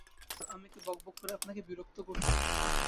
Sir, আমি কি বকবক করে আপনাকে বিরক্ত করছি?